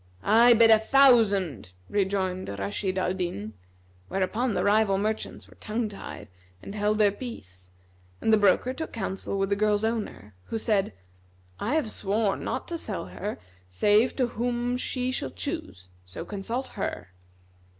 "I bid a thousand," rejoined Rashid al Din; whereupon the rival merchants were tongue tied, and held their peace and the broker took counsel with the girl's owner, who said, "I have sworn not to sell her save to whom she shall choose: so consult her."